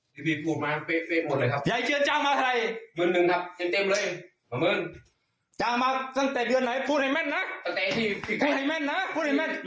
พี่พี่พูดมาเฟ่หมดเลยครับ